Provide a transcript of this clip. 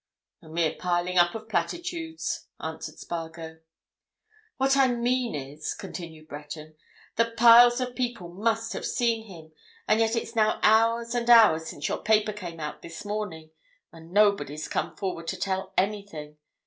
"A mere piling up of platitudes," answered Spargo. "What I mean is," continued Breton, "that piles of people must have seen him, and yet it's now hours and hours since your paper came out this morning, and nobody's come forward to tell anything.